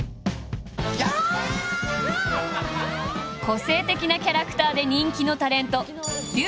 個性的なキャラクターで人気のタレント